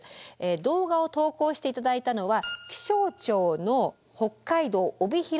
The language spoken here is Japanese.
動画を投稿して頂いたのは気象庁の北海道帯広測候所です。